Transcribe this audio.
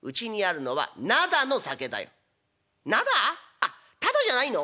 あっタダじゃないの？